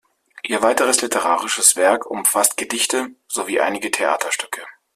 Ihr weiteres literarisches Werk umfasst Gedichte sowie einige Theaterstücke.